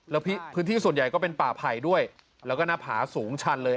แล้วพื้นที่ส่วนใหญ่ก็เป็นป่าไผ่ด้วยแล้วก็หน้าผาสูงชันเลย